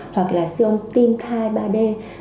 hoặc là siêu âm tim thai ba d